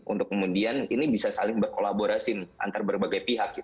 untuk kemudian ini bisa saling berkolaborasi antar berbagai pihak